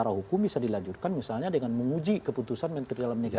nah itu bisa dilanjutkan misalnya dengan menguji keputusan yang terdalam negara